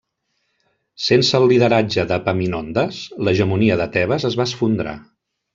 Sense el lideratge d'Epaminondes, l'hegemonia de Tebes es va esfondrar.